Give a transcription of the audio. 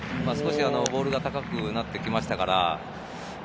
ボールが高くなってきましたから。